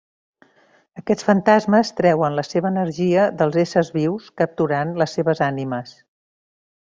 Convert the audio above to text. Aquests fantasmes treuen la seva energia dels éssers vius capturant les seves ànimes.